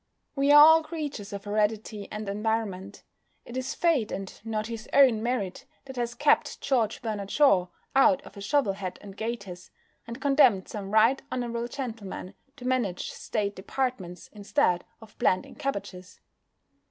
We are all creatures of heredity and environment. It is Fate, and not his own merit, that has kept George Bernard Shaw out of a shovel hat and gaiters, and condemned some Right Honourable Gentlemen to manage State Departments instead of planting cabbages.